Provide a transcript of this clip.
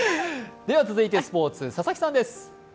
では続いてスポーツ、佐々木さんです。